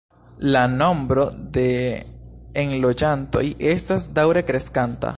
La nombro de enloĝantoj estas daŭre kreskanta.